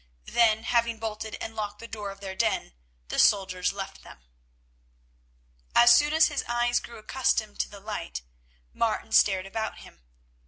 Then, having bolted and locked the door of their den, the soldiers left them. As soon as his eyes grew accustomed to the light, Martin stared about him.